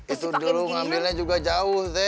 itu dulu ngambilnya juga jauh